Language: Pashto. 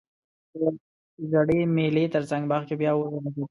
د زړې مېلې ترڅنګ باغ کې بیا اور ولګیده